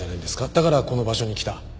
だからこの場所に来た。